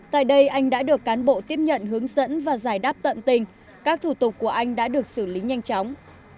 tại đây anh đã được cán bộ tiếp nhận hướng dẫn và giải đáp tận tình các thủ tục của anh đã được xử lý nhanh chóng